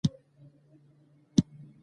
هغه ونه نن هم برکتي یادونه ژوندي ساتي.